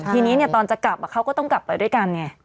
ทีนี้เนี่ยตอนจะกลับเขาก็ต้องกลับไปด้วยกันเนี่ย